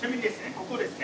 ここですね